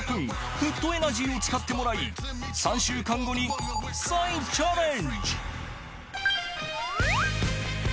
フットエナジーを使ってもらい３週間後に再チャレンジ